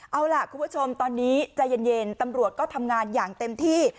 เอาล่ะคุณผู้ชมตอนนี้ใจเย็นตำรวจก็ทำงานอย่างเต็มที่